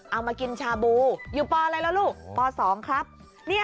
เอามากินชาบูอยู่ป่าอะไรแล้วลูกป่าสองครับเนี้ย